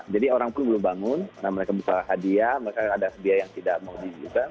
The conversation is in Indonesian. jadi orang pun belum bangun nah mereka butuh hadiah mereka ada biaya yang tidak mau dibuka